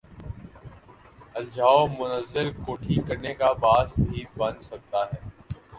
الجھاؤ منزل کھوٹی کرنے کا باعث بھی بن سکتا ہے۔